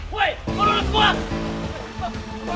woy lo luluh semua